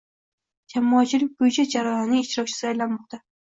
Jamoatchilik byudjet jarayonining ishtirokchisiga aylanmoqdang